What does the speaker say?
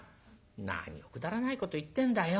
「何をくだらないこと言ってんだよ。